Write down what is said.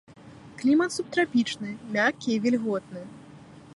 Клімат субтрапічны, мяккі і вільготны.